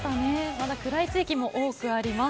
まだ、暗い地域も多くあります。